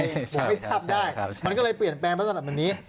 ผมไม่ทราบได้มันก็เลยเปลี่ยนแปลงลักษณะแบบนี้